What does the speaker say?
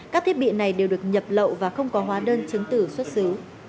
các thiết bị này đều được nhập lậu và không có hóa đơn chứng tử xuất xứ